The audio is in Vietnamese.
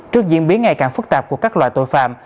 trước diễn biến ngày càng phức tạp của các loại tội phạm